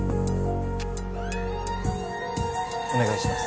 お願いします